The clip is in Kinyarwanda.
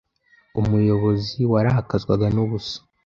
umuyobozi warakazwaga n’ubusa